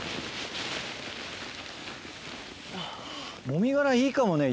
もみ殻いいかもね。